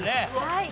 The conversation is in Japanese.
はい。